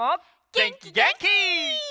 げんきげんき！